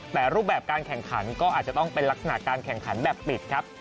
แต่รูปแบบการแข่งขันก็อาจจะต้องเป็นลักษณะการแข่งขันแบบปิดครับ